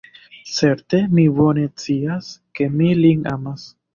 Certe li bone scias, ke mi lin amas.